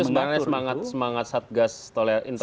itu sebenarnya semangat satgas intoleransi